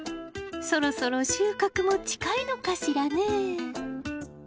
そろそろ収穫も近いのかしらねぇ。